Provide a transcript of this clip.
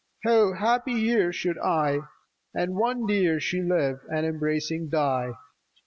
How happy here should I And one dear She live, and embracing die